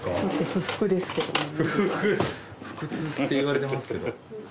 不服って言われてますけど。